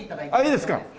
いいですか？